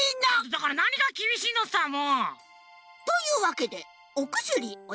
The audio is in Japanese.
だからなにがきびしいのさもう！というわけでおくすりおだしします。